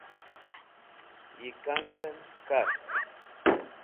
yikang'en kart